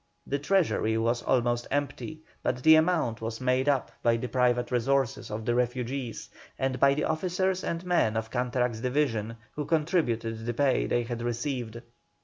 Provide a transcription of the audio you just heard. The Treasury was almost empty, but the amount was made up by the private resources of the refugees, and by the officers and men of Canterac's division, who contributed the pay they had received.